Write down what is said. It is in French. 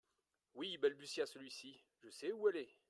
Oui, balbutia celui-ci, je sais où elle est.